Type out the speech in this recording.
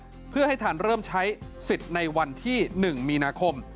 เพื่อให้ทันเริ่มใช้สิทธิ์ในวันที่๑มีนาคม